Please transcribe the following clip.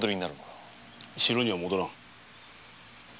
城には戻らぬ。